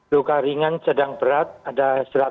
luka ringan sedang berat ada satu ratus sembilan puluh satu